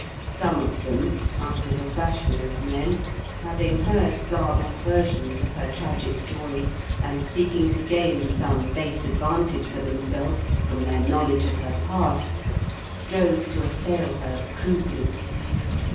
Some of them, after the fashion of men, having heard garbled versions of her tragic story, and seeking to gain some base advantage for themselves from their knowledge of her past, strove to assail her crudely.